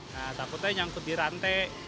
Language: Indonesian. nah takutnya nyangkut di rantai